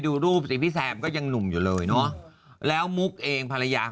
แต่พี่แซมทิ้งไปกี่ปีแล้วล่ะ